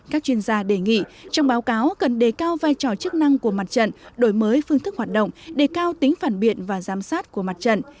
các chuyên gia đề nghị trong báo cáo cần đề cao vai trò chức năng của mặt trận đổi mới phương thức hoạt động đề cao tính phản biện và giám sát của mặt trận